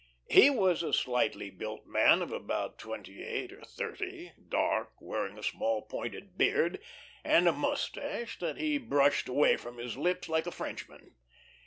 He was a slightly built man of about twenty eight or thirty; dark, wearing a small, pointed beard, and a mustache that he brushed away from his lips like a Frenchman.